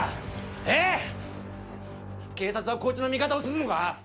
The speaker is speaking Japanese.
えぇ⁉警察はこいつの味方をするのか？